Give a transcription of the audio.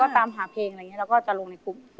ตามหาเพลงลายงี้รวมตามขวบว่า